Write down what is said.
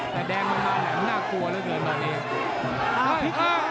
แต่แดงมันมาแหล่มน่ากลัวแล้วเดินมาเลย